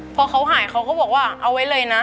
พอเขาหายเขาก็บอกว่าเอาไว้เลยนะ